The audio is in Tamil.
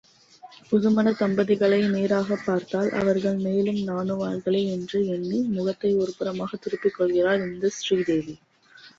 புதுமணத் தம்பதிகளை நேராகப் பார்த்தால் அவர்கள் மேலும் நாணுவார்களே என்று எண்ணி முகத்தை ஒருபுறமாகத் திருப்பிக்கொள்கிறாள் இந்த சீதேவி.